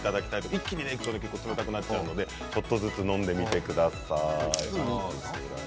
一気にいくと冷たくなっちゃうので、ちょっとずつ飲んでみてください。